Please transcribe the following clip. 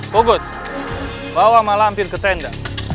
pugut bawa malampir ke tenda